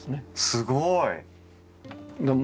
すごい！